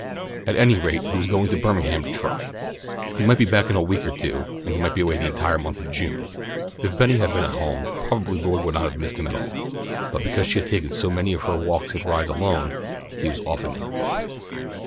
At any rate he was going to Birmingham to try. He might be back in a week or two, and he might be away the entire month of June. If Betty had been at home probably Lloyd would not have missed him at all, but because she had to take so many of her walks and rides alone, he was often in her thoughts.